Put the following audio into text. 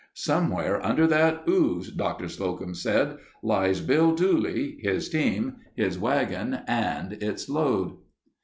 "Somewhere under that ooze," Doctor Slocum said, "lies Bill Dooley, his team, his wagon, and its load."